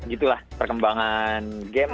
gitu lah perkembangan game